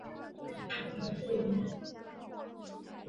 新北市立清水高级中学毗邻明德路一段的两个出入口。